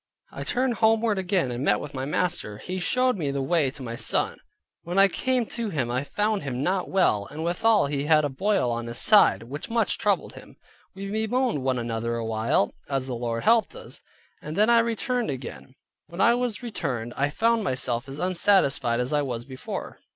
I turned homeward again, and met with my master. He showed me the way to my son. When I came to him I found him not well: and withall he had a boil on his side, which much troubled him. We bemoaned one another a while, as the Lord helped us, and then I returned again. When I was returned, I found myself as unsatisfied as I was before.